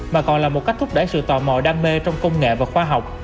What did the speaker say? mà còn là một cách thúc đẩy sự tò mò đam mê trong công nghệ và khoa học